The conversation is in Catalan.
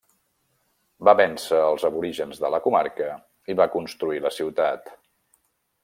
Va vèncer als aborígens de la comarca i va construir la ciutat.